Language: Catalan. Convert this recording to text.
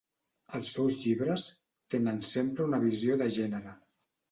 Els seus llibres tenen sempre una visió de gènere.